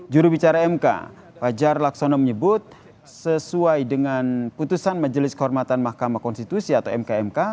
jurubicara mk fajar laksono menyebut sesuai dengan putusan majelis kehormatan mahkamah konstitusi atau mkmk